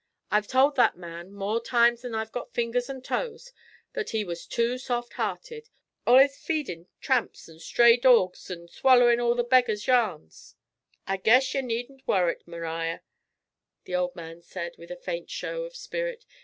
I've told that man, more times 'n I've got fingers an' toes, that he was too soft hearted; allus feedin' tramps 'n' stray dawgs, an' swallerin' all the beggars' yarns.' 'I guess ye needn't worrit, M'riar,' the old man said, with a faint show of spirit.